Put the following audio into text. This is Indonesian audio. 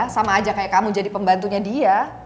sama aja kayak kamu jadi pembantunya dia